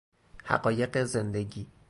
حقایق زندگی